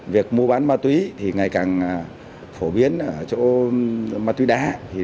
việc mua bán ma túy thì ngày càng phổ biến ở chỗ ma túy đá